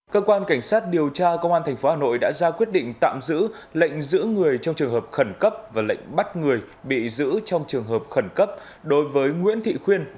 cơ quan cảnh sát điều tra công an tp hà nội đã ra quyết định tạm giữ lệnh giữ người trong trường hợp khẩn cấp và lệnh bắt người bị giữ trong trường hợp khẩn cấp đối với nguyễn thị khuyên